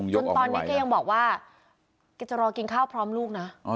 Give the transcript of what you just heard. จนตอนนี้แกยังบอกว่าแกจะรอกินข้าวพร้อมลูกนะ